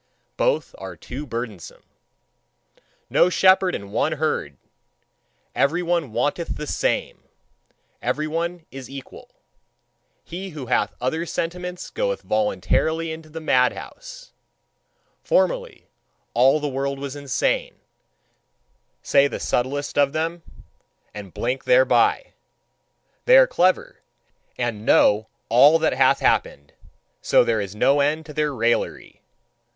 Both are too burdensome. No shepherd, and one herd! Every one wanteth the same; every one is equal: he who hath other sentiments goeth voluntarily into the madhouse. "Formerly all the world was insane," say the subtlest of them, and blink thereby. They are clever and know all that hath happened: so there is no end to their raillery.